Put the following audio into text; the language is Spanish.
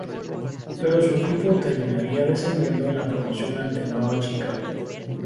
Pero su equipo terminaría descendiendo en la promoción ante Nueva Chicago.